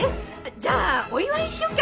じゃあお祝いしよっか。